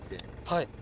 はい。